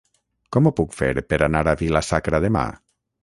Com ho puc fer per anar a Vila-sacra demà?